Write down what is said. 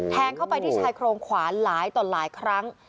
เข้าไปที่ชายโครงขวาหลายต่อหลายครั้ง